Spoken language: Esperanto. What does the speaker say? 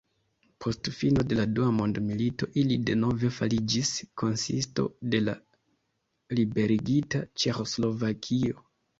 Post fino de la dua mondmilito ili denove fariĝis konsisto de la liberigita Ĉeĥoslovakio.